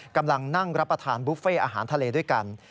กำลังนั่งรับประทานบุฟเฟ่อาหารทะเลด้วยกัน